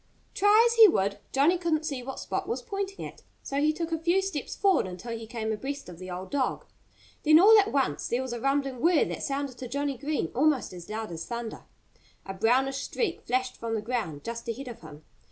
Try as he would, Johnnie couldn't see what Spot was pointing at. So he took a few steps forward until he came abreast of the old dog. Then all at once there was a rumbling whir that sounded to Johnnie Green almost as loud as thunder. A brownish streak flashed from the ground just ahead of him.